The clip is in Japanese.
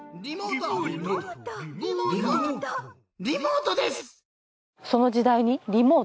リモートです！